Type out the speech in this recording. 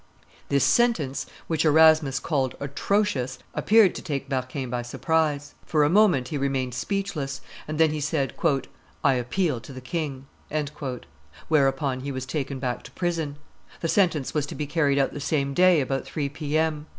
This sentence, which Erasmus called atrocious, appeared to take Berquin by surprise; for a moment he remained speechless, and then he said, "I appeal to the king:" whereupon he was taken back to prison. The sentence was to be carried out the same day about three P. M.